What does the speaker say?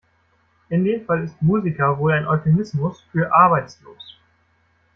In dem Fall ist Musiker wohl ein Euphemismus für arbeitslos.